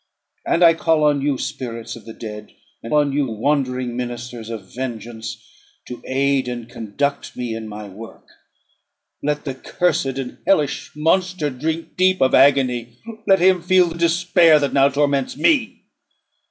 And I call on you, spirits of the dead; and on you, wandering ministers of vengeance, to aid and conduct me in my work. Let the cursed and hellish monster drink deep of agony; let him feel the despair that now torments me."